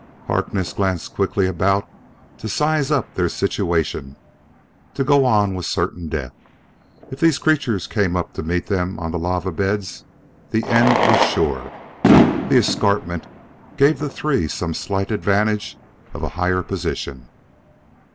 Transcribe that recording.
Harkness glanced quickly about to size up their situation. To go on was certain death; if these creatures came up to meet them on the lava beds, the end was sure. The escarpment gave the three some slight advantage of a higher position.